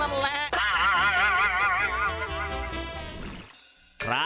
อุ๊ยไม่อยากเหมือนกัน